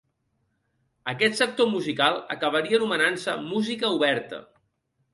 Aquest sector musical acabaria anomenant-se Música Oberta.